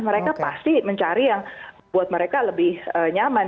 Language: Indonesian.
mereka pasti mencari yang buat mereka lebih nyaman